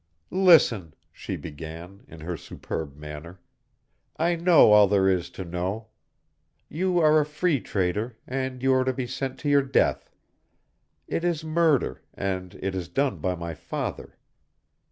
"Listen," she began, in her superb manner. "I know all there is to know. You are a Free Trader, and you are to be sent to your death. It is murder, and it is done by my father."